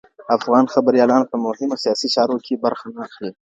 افغان خبریالان په مهمو سیاسي چارو کي برخه نه اخلي.